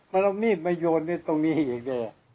มันเอาหนี้มายนตรงนี้อย่างเดียว